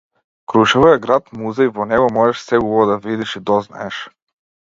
Крушево е град музеј во него можеш се убаво да видиш и дознаеш.